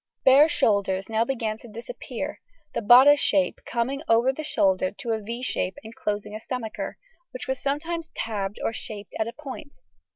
Bare shoulders now began to disappear, the bodice shape coming over the shoulder to a =V= shape enclosing a stomacher, which was sometimes tabbed or shaped at the point.